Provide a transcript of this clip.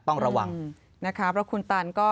ต้องระวังนะครับแล้วคุณตันก็